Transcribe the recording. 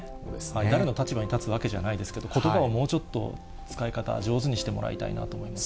誰の立場に立つわけじゃないですけど、ことばをもうちょっと使い方、上手にしてもらいたいなと思います。